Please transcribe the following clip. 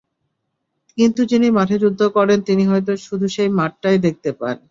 কিন্তু যিনি মাঠে যুদ্ধ করেন, তিনি হয়তো শুধু সেই মাঠটাই দেখতে পান।